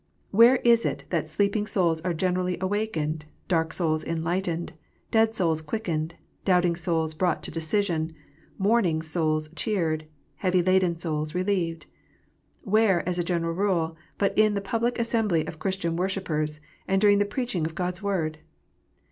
Where is it that sleeping souls are generally awakened, dark souls enlightened, dead souls quickened, doubting souls brought to decision, mourning souls cheered, heavy laden souls relieved 1 Where, as a general rule, but in the public assembly of Christian worshippers, and during the preaching of God s Word